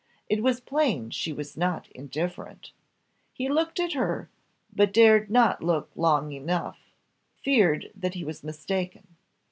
It was plain she was not indifferent he looked at her, but dared not look long enough feared that he was mistaken.